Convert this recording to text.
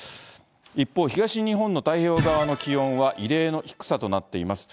一方、東日本の太平洋側の気温は異例の低さとなっています。